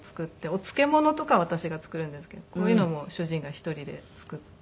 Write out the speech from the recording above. お漬物とか私が作るんですけどこういうのも主人が１人で作って。